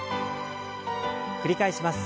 繰り返します。